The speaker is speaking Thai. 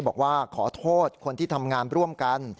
บอกว่าขอโทษคนที่ทำงานร่วมกัน